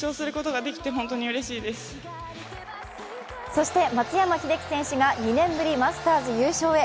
そして、松山英樹選手が２年ぶり、マスターズ優勝へ。